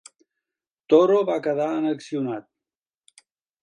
Toro va quedar annexionat.